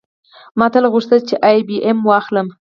ما تل غوښتل چې آی بي ایم واخلم